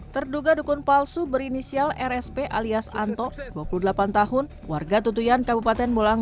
terduga dukun palsu berinisial rsp alias anto dua puluh delapan tahun warga tutuian kabupaten mulang